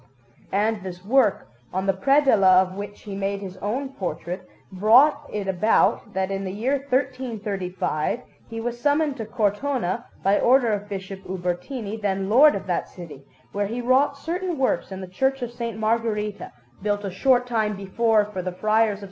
And this work, on the predella of which he made his own portrait, brought it about that in the year 1335 he was summoned to Cortona by order of Bishop Ubertini, then lord of that city, where he wrought certain works in the Church of S. Margherita, built a short time before for the Friars of S.